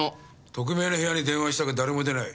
特命の部屋に電話したが誰も出ない。